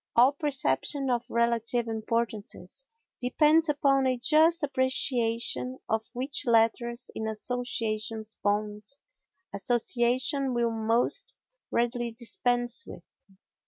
All perception of relative importances depends upon a just appreciation of which letters in association's bond association will most readily dispense with.